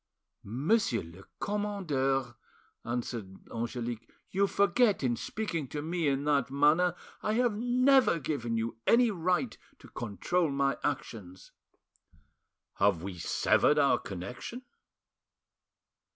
"Monsieur le commandeur," answered Angelique, "you forget, in speaking to me in that manner, I have never given you any right to control my actions." "Have we severed our connection?"